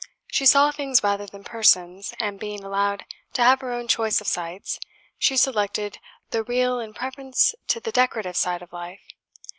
She saw things rather than persons; and being allowed to have her own choice of sights, she selected the "REAL in preference to the DECORATIVE side of life."